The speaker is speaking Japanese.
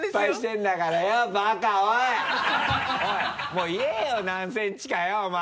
もう言えよ何ｃｍかよお前！